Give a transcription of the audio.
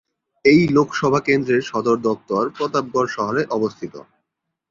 এই লোকসভা কেন্দ্রের সদর দফতর প্রতাপগড় শহরে অবস্থিত।